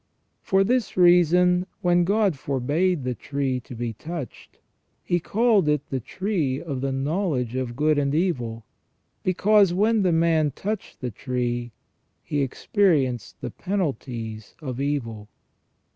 For this reason, when God forbade the tree to be touched. He called it the tree of the knowledge of good and evil, because when the man touched the tree he experienced the penalties of evil.